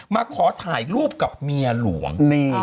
มาขอถ่ายรูปกับเมียหลวง